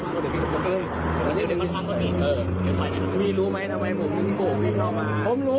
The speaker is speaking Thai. มีกล้วยติดอยู่ใต้ท้องเดี๋ยวพี่ขอบคุณ